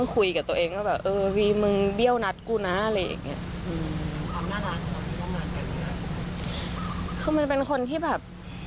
คือมันเป็นคนที่แบบ